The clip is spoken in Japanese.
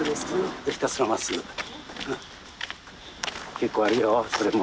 結構あるよそれも。